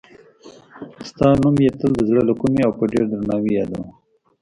ستا نوم یې تل د زړه له کومې او په ډېر درناوي یادوه.